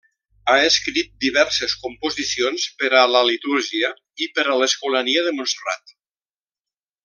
Ha escrit diverses composicions per a la litúrgia i per a l'Escolania de Montserrat.